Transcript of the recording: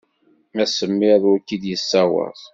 Asemmiḍ ur k-id-yeṣṣawaḍ.